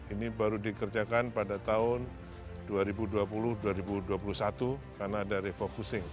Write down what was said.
ini baru dikerjakan pada tahun dua ribu dua puluh dua ribu dua puluh satu karena ada refocusing